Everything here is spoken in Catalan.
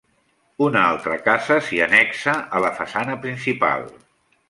Una altra casa s'hi annexa a la façana principal.